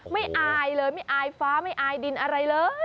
อายเลยไม่อายฟ้าไม่อายดินอะไรเลย